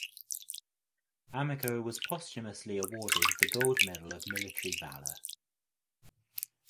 Amico was posthumously awarded the Gold Medal of Military Valor.